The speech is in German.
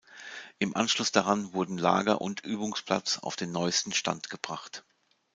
Im Anschluss daran wurden Lager und Übungsplatz auf den neuesten Stand gebracht.